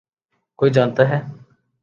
کوئی جانتا ہے۔